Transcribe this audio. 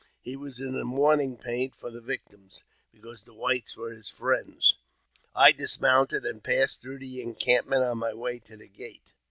He was in mourning paint for the victims,: because the whites were his friends. I dismounted, and| passed through the encampment on my way to the gate.